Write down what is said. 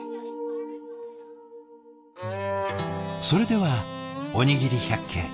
それでは「おにぎり百景」。